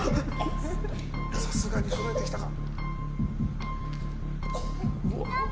さすがに震えてきたか。